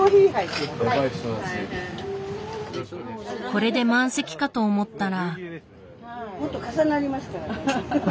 これで満席かと思ったら。